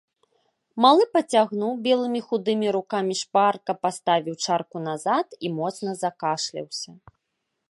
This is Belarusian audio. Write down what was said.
Малы пацягнуў, белымі худымі рукамі шпарка паставіў чарку назад і моцна закашляўся.